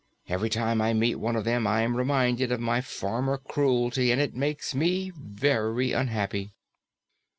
Every time I meet one of them, I am reminded of my former cruelty, and it makes me very unhappy."